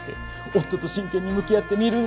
夫と真剣に向き合ってみるって。